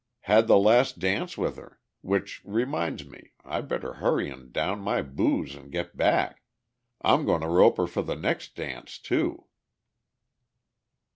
Had the last dance with her. Which reminds me I better hurry and down my booze and get back. I'm going to rope her for the next dance, too."